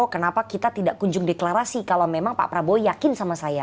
kenapa kita tidak kunjung deklarasi kalau memang pak prabowo yakin sama saya